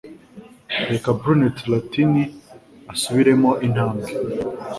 reka Brunet Latini asubiremo intambwe